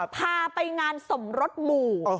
พาไปงานสมรสหมู่